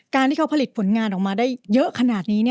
การที่เขาผลิตผลงานออกมาได้เยอะขนาดนี้